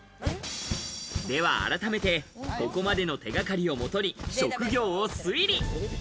では改めて、ここまでの手掛かりをもとに職業を推理。